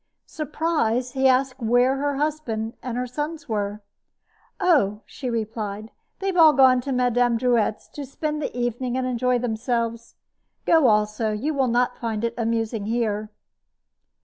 Surprised, he asked where were her husband and her sons. "Oh," she replied, "they've all gone to Mme. Drouet's to spend the evening and enjoy themselves. Go also; you'll not find it amusing here."